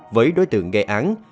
với đối tượng gây án